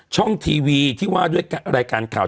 ช่องทีวีที่ว่าด้วยรายการข่าว